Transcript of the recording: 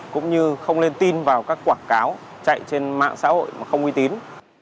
cũng như không nên tin vào các quảng cáo chạy trên mạng xã hội mà không uy tín